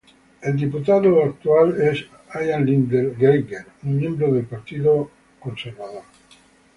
El diputado actual es Ian Liddell-Grainger, un miembro del Partido Conservador.